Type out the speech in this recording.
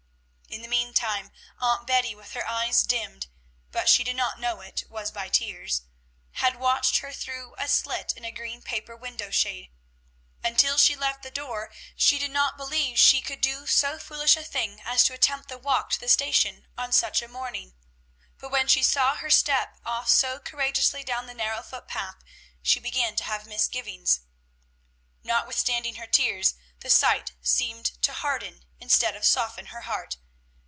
In the mean time, Aunt Betty, with her eyes dimmed but she did not know it was by tears had watched her through a slit in a green paper window shade. Until she left the door, she did not believe she could do so foolish a thing as to attempt the walk to the station on such a morning; but when she saw her step off so courageously down the narrow foot path, she began to have misgivings. Notwithstanding her tears, the sight seemed to harden instead of soften her heart.